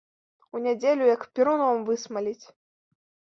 У нядзелю, як перуном высмаліць.